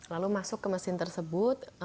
lalu masuk ke mesin tersebut